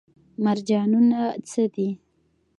مرجانونه څه دي؟